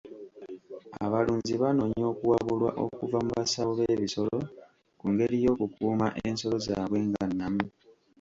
Abalunzi banoonya okuwabulwa okuva mu basawo b'ebisolo ku ngeri y'okukuuma ensolo zaabwe nga nnamu.